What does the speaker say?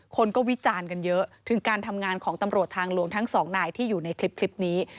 คนก็วิจารณ์กันเยอะถึงการทำงานของตำรวจทางหลวงทั้งสองนายที่อยู่ในคลิปนี้